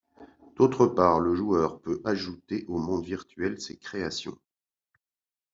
D’autre part, le joueur peut ajouter au monde virtuel ses créations.